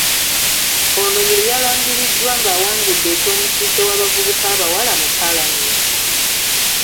Ono ye yalangiriddwa ng’awangudde eky’omukiise w’abavubuka abawala mu Palamenti.